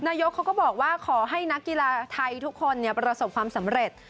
นายกเขาก็บอกว่าขอให้นักกีฬาไทยทุกคนประสบความสำเร็จ